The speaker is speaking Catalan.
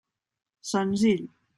Senzill.